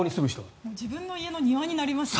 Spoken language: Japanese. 自分の家の庭になりますよね。